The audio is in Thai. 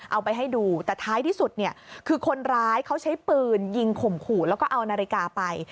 เอาไปให้ดูแต่ท้ายที่สุดเนี่ยคือคนร้ายเขาใช้ปืนยิงข่มขู่แล้วก็เอานาฬิกาไป